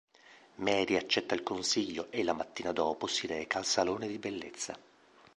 Mary accetta il consiglio e la mattina dopo si reca al salone di bellezza.